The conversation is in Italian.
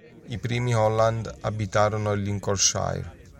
I primi Holland abitarono il Lincolnshire.